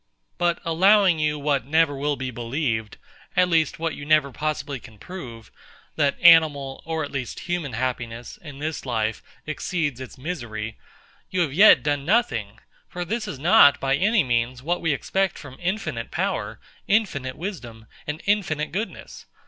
But allowing you what never will be believed, at least what you never possibly can prove, that animal, or at least human happiness, in this life, exceeds its misery, you have yet done nothing: For this is not, by any means, what we expect from infinite power, infinite wisdom, and infinite goodness.